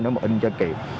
nếu mà in cho kịp